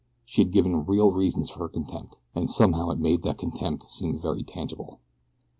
She had given real reasons for her contempt, and somehow it had made that contempt seem very tangible.